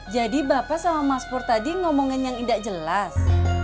jadi bapak sama mas pur tadi ngomongin yang indah jelas